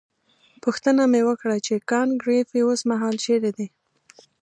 پوښتنه مې وکړه چې کانت ګریفي اوسمهال چیرې دی.